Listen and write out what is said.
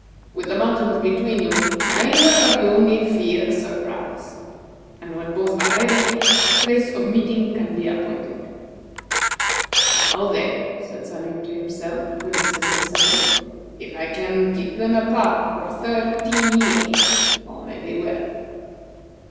With the mountains between you, neither of you need fear a surprise; and when both are ready, a place of meeting can be appointed. "Now, then," said Salim to himself when this had been settled; "if I can keep them apart for thirteen years, all may be well."